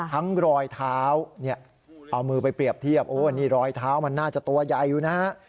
รอยเท้าเนี่ยเอามือไปเปรียบเทียบโอ้นี่รอยเท้ามันน่าจะตัวใหญ่อยู่นะฮะ